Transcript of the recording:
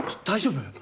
大丈夫？